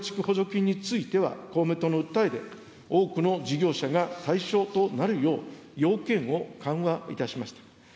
補助金については、こうめいとうのうったえで、多くの事業者が対象となるよう、要件を緩和いたしました。